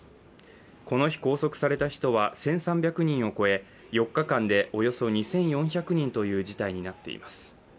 この日、拘束された人は１３００人を超え４日間でおよそ２４００人という事態になっています。